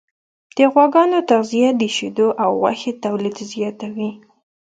د غواګانو تغذیه د شیدو او غوښې تولید زیاتوي.